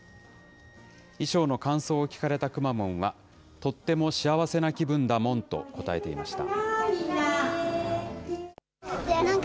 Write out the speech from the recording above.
衣装の感想を聞かれたくまモンは、とっても幸せな気分だモン！と答えていました。